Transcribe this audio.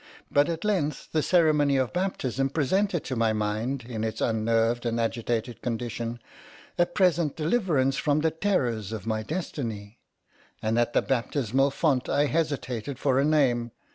But at length the ceremony of baptism presented to my mind, in its unnerved and agitated condition, a present deliverance from the terrors of my destiny. And at the baptismal font I hesitated for a name.